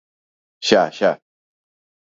¡Xa!, ¡xa!